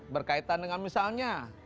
berkaitan dengan misalnya